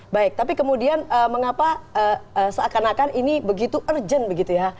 baik tapi kemudian mengapa seakan akan ini begitu urgent begitu ya